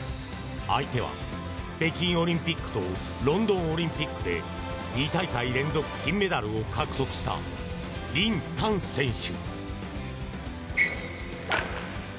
相手は、北京オリンピックとロンドンオリンピックで２大会連続金メダルを獲得したリン・タン選手。